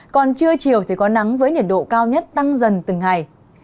còn trưa chiều thì có nắng với nhiệt độ cao nhất tăng dần từng ngày